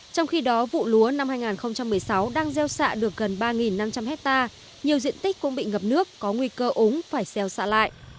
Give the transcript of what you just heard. trong khi đó vụ lúa năm hai nghìn một mươi sáu đang gieo xạ được gần ba năm trăm linh hectare nhiều diện tích cũng bị ngập nước có nguy cơ úng phải gieo xạ lại